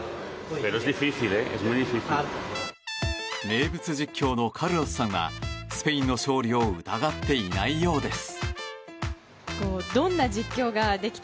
名物実況のカルロスさんはスペインの勝利を疑っていないようです。